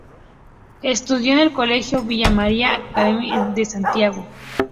Estudió en el Colegio Villa María Academy de Santiago.